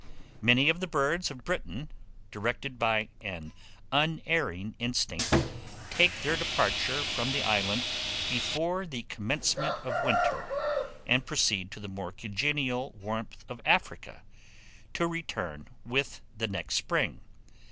Many of the birds of Britain, directed by an unerring instinct, take their departure from the island before the commencement of winter, and proceed to the more congenial warmth of Africa, to return with the next spring.